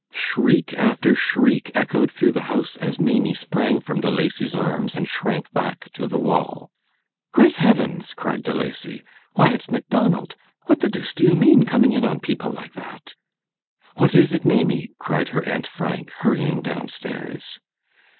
Shriek after shriek echoed through the house as Maimie sprang from De Lacy's arms and shrank back to the wall. "Great heavens," cried De Lacy, "why it's Macdonald! What the deuce do you mean coming in on people like that?" "What is it, Maimie," cried her Aunt Frank, hurrying down stairs.